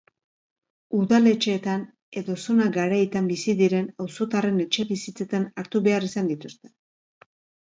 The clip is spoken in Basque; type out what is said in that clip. Udaletxeetan edo zona garaietan bizi diren auzotarren etxebizitzetan hartu behar izan dituzte.